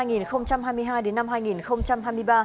năm hai nghìn hai mươi hai đến năm hai nghìn hai mươi ba